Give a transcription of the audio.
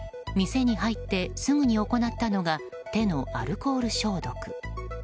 店に入ってすぐに行ったのが手のアルコール消毒。